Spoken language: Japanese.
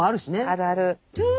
あるある。